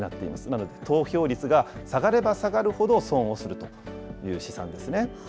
なので、投票率が下がれば下がるほど損をするという試算ですね。